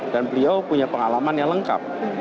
dan beliau punya pengalaman yang lengkap